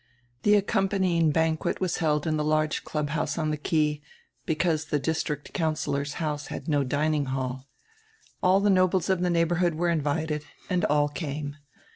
The accompanying ban quet was held in die large clubhouse on die quay, because die district councillor's house had no dining hall. All die nobles of die neighborhood were invited and all came.